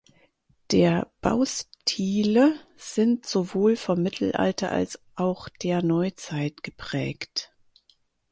Der Baustile sind sowohl vom Mittelalter als auch der Neuzeit geprägt.